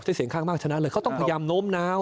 เสียงข้างมากชนะเลยเขาต้องพยายามโน้มน้าว